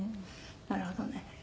なるほどね。